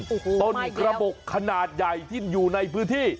โอ้โหต้นกระบบขนาดใหญ่ที่อยู่ในพื้นที่